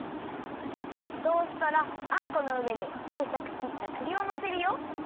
そうしたらあんこのうえにちいさくきったくりをのせるよ。